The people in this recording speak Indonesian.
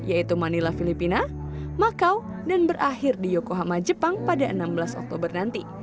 yaitu manila filipina macau dan berakhir di yokohama jepang pada enam belas oktober nanti